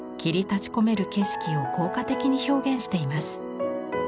立ち込める景色を効果的に表現しています。